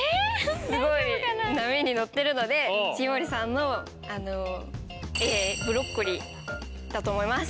すごい波に乗ってるので重盛さんのＡブロッコリーだと思います。